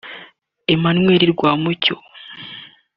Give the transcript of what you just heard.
Emmanuel Rwamucyo